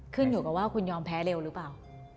ขึ้นอยู่กับว่าคุณยอมแพ้เร็วหรือเปล่า